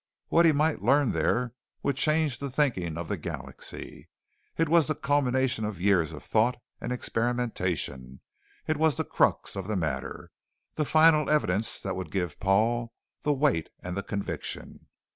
What he might learn there would change the thinking of the galaxy. It was the culmination of years of thought and experimentation; it was the crux of the matter, the final evidence that would give Paul the weight and the conviction.